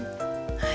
はい。